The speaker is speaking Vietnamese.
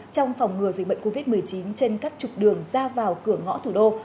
trong phòng ngừa dịch bệnh covid một mươi chín trên các trục đường ra vào cửa ngõ thủ đô